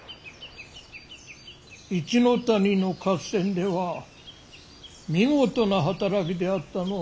一ノ谷の合戦では見事な働きであったの。